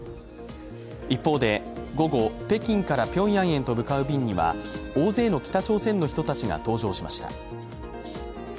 一方で、午後、北京からピョンヤンへと向かう便には大勢の北朝鮮の人たちが搭乗しました。